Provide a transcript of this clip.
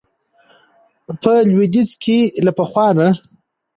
په لويديځ کې له پخوا نه